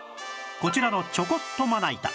こちらのちょこっとまな板